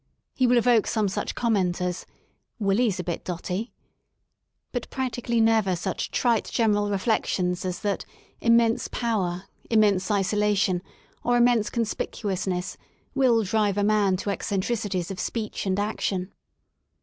He will evoke some such comment as Willie's a bit dotty," but practically never such trite general reflections as that immense power, immense isolation, or immense conspicuousness, will drive a man to eccentricities of speech and action.